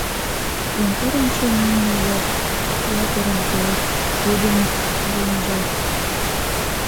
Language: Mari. Контор ончылно имне-влак ятырын койыт, шудым йоныжат.